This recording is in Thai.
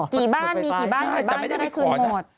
กี่บ้านมีกี่บ้านกี่บ้านก็ได้คืนหมด